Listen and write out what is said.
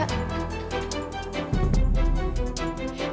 aku gak keberatan zaa